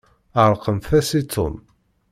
Ɛeṛqent-as i Tom.